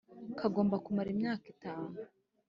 kagomba kumara imyaka itanu.